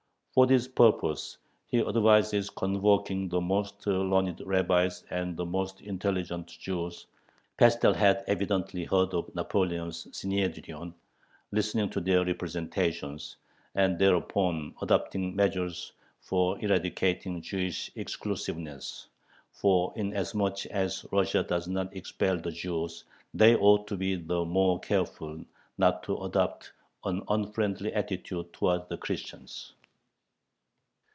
For this purpose he advises convoking "the most learned rabbis and the most intelligent Jews" Pestel had evidently heard of Napoleon's Synhedrion "listening to their representations," and thereupon adopting measures for eradicating Jewish exclusiveness, for, "inasmuch as Russia does not expel the Jews, they ought to be the more careful not to adopt an unfriendly attitude towards the Christians."